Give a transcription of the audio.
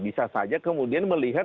bisa saja kemudian melihat